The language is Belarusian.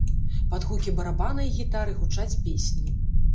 Пад гукі барабана і гітары гучаць песні.